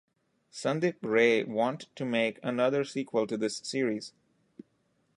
Sandip Ray want to make another sequel to this series.